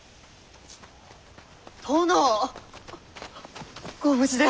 殿！ご無事で！